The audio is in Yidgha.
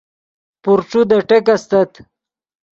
پورݯو دے ٹیک استت